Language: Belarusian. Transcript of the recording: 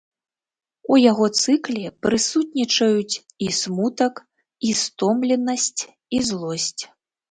У яго цыкле прысутнічаюць і смутак, і стомленасць, і злосць.